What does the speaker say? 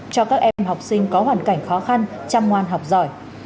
cho các em học sinh có hoàn cảnh khó khăn chăm ngoan học giỏi